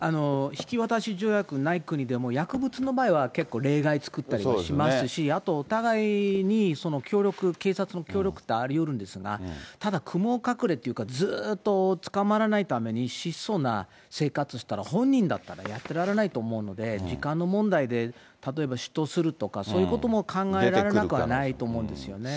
引き渡し条約ない国でも、薬物の場合は結構例外作ったりしますし、あとお互いに協力、警察の協力ってありうるんですが、ただ雲隠れっていうか、ずーっと捕まらないために質素な生活していたら、本人だったらやってられないと思うので、時間の問題で、例えば出頭するとか、そういうことも考えられなくはないと思うんですね。